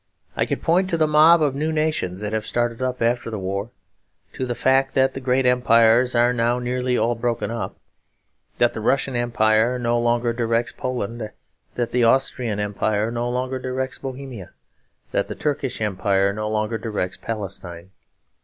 I could point to the mob of new nations that have started up after the war; to the fact that the great empires are now nearly all broken up; that the Russian Empire no longer directs Poland, that the Austrian Empire no longer directs Bohemia, that the Turkish Empire no longer directs Palestine.